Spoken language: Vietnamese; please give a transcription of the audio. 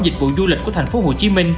dịch vụ du lịch của tp hcm